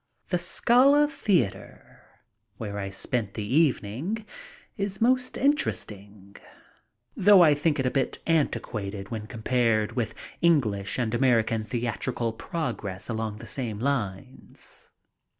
The Scala Theater, where I spent the evening, is most interesting, though I think a bit antiquated when compared with English and American theatrical progress along the same lines.